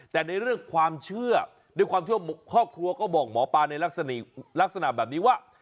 แต่ในเรื่องความเชื่อด้วยความที่ว่าครอบครัวก็บอกหมอปลาในลักษณะแบบนี้ว่า